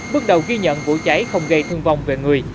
bước đầu ghi nhận vụ cháy không gây thương vong về người